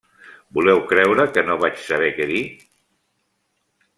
¿Voleu creure que no vaig saber què dir?